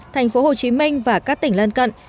thành phố hồ chí minh và các tỉnh lân cận